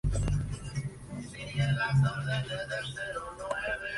Los inviernos fríos, secos y largos.